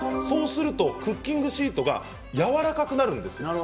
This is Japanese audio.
そうするとクッキングシートがやわらかくなるんです。